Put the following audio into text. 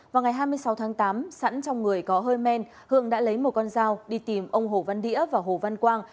vào ngày hai mươi sáu tháng tám sẵn trong người có hơi men hương đã lấy một con dao đi tìm ông hồ văn đĩa và hồ văn quang